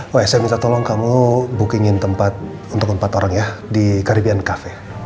woy saya minta tolong kamu booking in tempat untuk empat orang ya di caribbean cafe